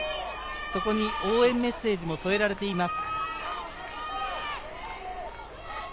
そこに応援メッセージも添えられています。